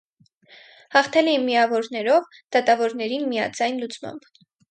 Հաղթել է միավորներով՝ դատավորների միաձայն լուծմամբ։